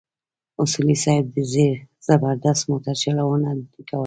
اصولي صیب زبردسته موټرچلونه کوله.